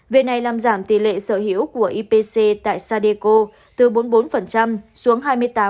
việc này làm giảm tỷ lệ sở hữu của ipc tại sadeco từ bốn mươi bốn xuống hai mươi tám